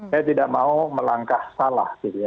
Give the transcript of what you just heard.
saya tidak mau melangkah salah